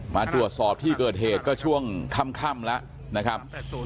มาตรวจสอบที่เกิดเหตุก็ช่วงค่ำแล้วนะครับ